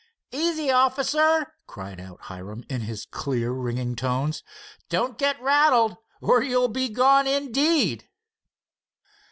"Easy, officer!" cried out Hiram, in his clear, ringing tones. "Don't get rattled or you'll be gone, indeed."